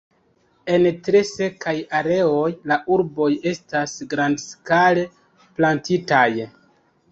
En tre sekaj areoj la arboj estas grandskale plantitaj.